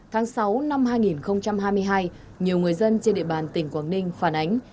tháng sáu năm hai nghìn hai mươi hai nhiều người dân trên địa bàn tỉnh quảng ninh phản ánh